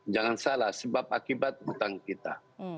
jangan salah sebab akibat utang kita